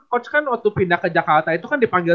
coach kan waktu pindah ke jakarta itu kan dipanggil